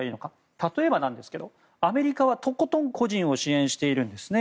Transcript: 例えばなんですがアメリカはとことん個人を支援しているんですね。